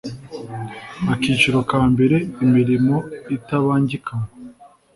Akiciro ka mbere Imirimo itabangikanywa